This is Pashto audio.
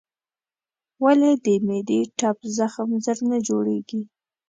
ولې د معدې ټپ زخم ژر نه جوړېږي؟